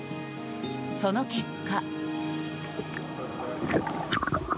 その結果。